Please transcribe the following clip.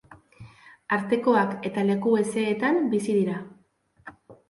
Artekoak eta leku hezeetan bizi dira.